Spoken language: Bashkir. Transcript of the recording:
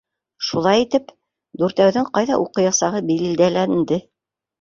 Шулай итеп, дүртәүҙең ҡайҙа уҡыясағы билдәләнде.